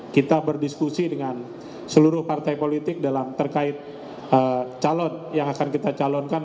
kita berdiskusi dengan seluruh partai politik dalam terkait calon yang akan kita calonkan